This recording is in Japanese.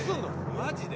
・マジで？